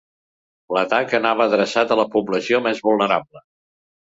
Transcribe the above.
L'atac anava adreçat a la població més vulnerable.